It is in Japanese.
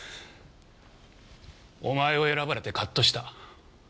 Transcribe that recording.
お前を選ばれてカッとした。